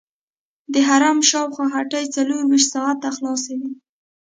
د حرم شاوخوا هټۍ څلورویشت ساعته خلاصې وي.